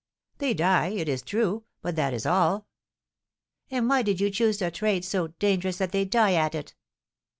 They die, it is true, but that is all." "And why did you choose a trade so dangerous that they die at it?"